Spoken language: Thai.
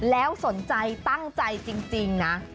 แล้วสนใจตั้งใจจริงนะ